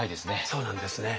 そうなんですね。